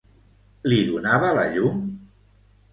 Li donava la llum?